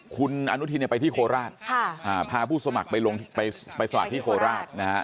คุณอนุทีเนี่ยไปที่โคราชพาผู้สมัครไปสวัสดิ์ที่โคราชนะฮะ